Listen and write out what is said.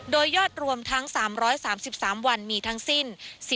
โดยยอดรวมทั้ง๓๓วันมีทั้งสิ้น